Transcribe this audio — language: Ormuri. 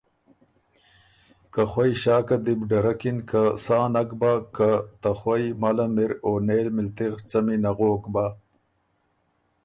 که خوئ ݭاکه دی بو ډرکِن که سا نک بَۀ که ته خوئ مل م اِر او نېل مِلتغ څمی نغوک بَۀ،